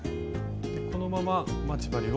このまま待ち針を。